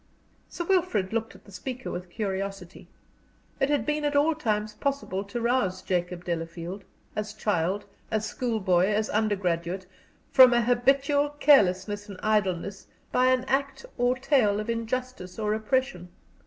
Sir Wilfrid looked at the speaker with curiosity. It had been at all times possible to rouse Jacob Delafield as child, as school boy, as undergraduate from an habitual carelessness and idleness by an act or a tale of injustice or oppression.